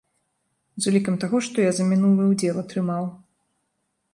З улікам таго, што я за мінулы ўдзел атрымаў.